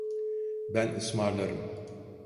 Ben ısmarlarım.